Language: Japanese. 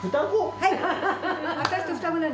はい。